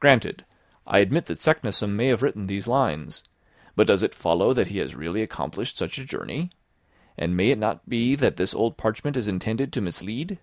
"Granted. I admit that Saknussemm may have written these lines. But does it follow that he has really accomplished such a journey? And may it not be that this old parchment is intended to mislead?"